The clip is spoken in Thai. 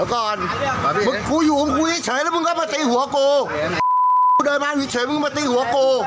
เอ่อครูไปแน่นอนเดี๋ยวมึงรอกูเดี่ยว